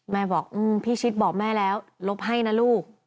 แม่บอกพี่ชิดบอกแม่แล้วลบให้นะลูก